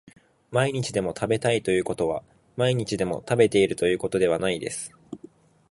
毎日でも食べたいということは毎日でも食べているということではないです